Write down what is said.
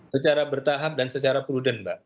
secara bertahap dan secara prudent mbak